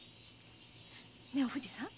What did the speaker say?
ねえお藤さん